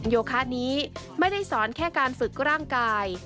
โยคะนี้ไม่ได้สอนแค่การฝึกร่างกาย